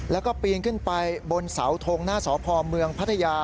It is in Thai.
แล้วก็ปีนขึ้นไปบนเสาทงหน้าสพเมืองพัทยา